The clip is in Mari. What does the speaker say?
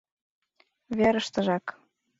Верыштыжак.